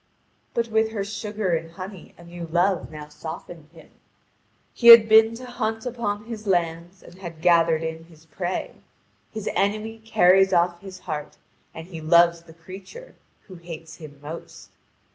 But with her sugar and honey a new Love now softened him; he had been to hunt upon his lands and had gathered in his prey. His enemy carries off his heart, and he loves the creature who hates him most.